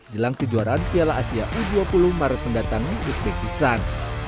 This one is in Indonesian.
jelang kejuaraan piala asia u dua puluh maret mendatang di uzbekistan